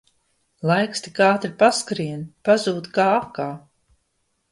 Laiks tik ātri paskrien, pazūd kā akā